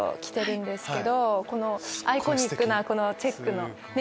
アイコニックなチェックの。